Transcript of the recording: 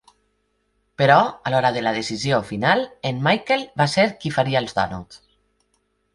Però, a l'hora de la decisió final, en Michael va ser qui faria els dònuts.